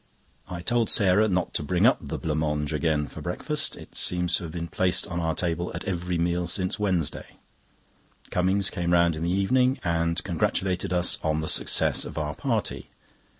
I told Sarah not to bring up the blanc mange again for breakfast. It seems to have been placed on our table at every meal since Wednesday. Cummings came round in the evening, and congratulated us on the success of our party.